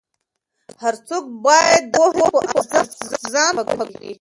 هر څوک باید د پوهې په ارزښت ځان پوه کړي.